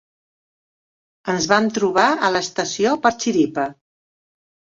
Ens vam trobar a l'estació per xiripa.